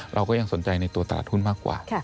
เราก็ยังสนใจในตัวตลาดหุ้นมากกว่า